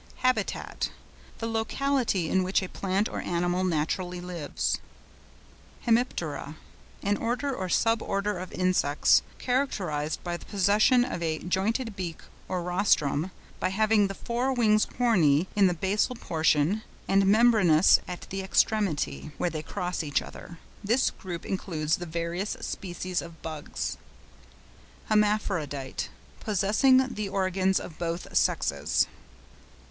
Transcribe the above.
HABITAT.—The locality in which a plant or animal naturally lives. HEMIPTERA.—An order or sub order of insects, characterised by the possession of a jointed beak or rostrum, and by having the fore wings horny in the basal portion and membranous at the extremity, where they cross each other. This group includes the various species of bugs. HERMAPHRODITE.—Possessing the organs of both sexes.